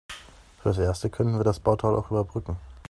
Fürs Erste können wir das Bauteil auch überbrücken.